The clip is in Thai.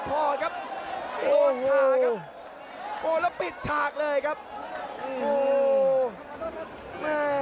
ดาบดำเล่นงานบนเวลาตัวด้วยหันขวา